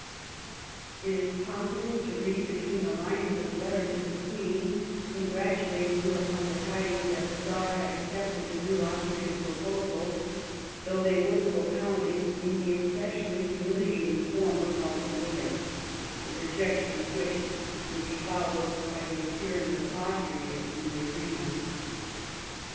It is possible to read between the lines of his letter to the Queen congratulating her upon the tidings that the Czar had accepted the new Austrian proposals^ though they were propounded in the especially humiliating form of an ultimatum, the rejec ^ tion of which would be followed by the appearance of Austria in the arena.